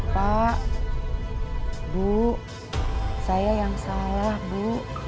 pak bu saya yang salah bu